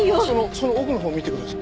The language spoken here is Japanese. その奥のほう見てください。